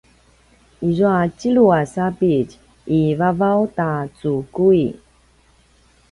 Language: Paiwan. izua tjelu a sapitj i vavaw ta cukui